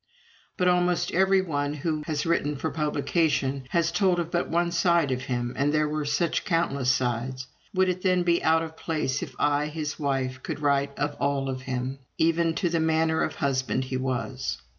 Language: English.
But almost every one who has written for publication has told of but one side of him, and there were such countless sides. Would it then be so out of place if I, his wife, could write of all of him, even to the manner of husband he was?